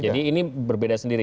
jadi ini berbeda sendiri